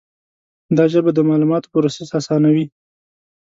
دا ژبه د معلوماتو پروسس آسانوي.